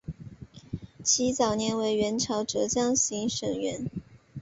其早年为元朝浙江行省掾。